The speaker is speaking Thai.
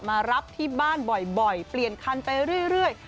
มารับที่บ้านบ่อยเปลี่ยนคันไปเรื่อย